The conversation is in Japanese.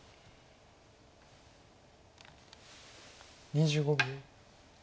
２５秒。